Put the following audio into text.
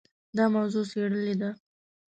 دا موضوع څېړلې ده.